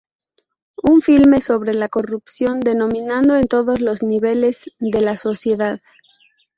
Un filme sobre la corrupción dominando en todos los niveles de la sociedad.